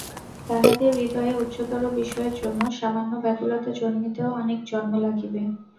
তাহাদের হৃদয়ে উচ্চতর বিষয়ের জন্য সামান্য ব্যাকুলতা জন্মিতেও অনেক জন্ম লাগিবে।